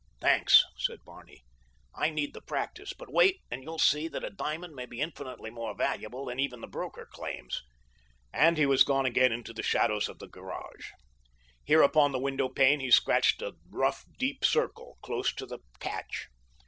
"Thanks," said Barney. "I need the practice; but wait and you'll see that a diamond may be infinitely more valuable than even the broker claims," and he was gone again into the shadows of the garage. Here upon the window pane he scratched a rough deep circle, close to the catch.